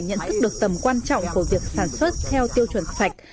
nhận thức được tầm quan trọng của việc sản xuất theo tiêu chuẩn sạch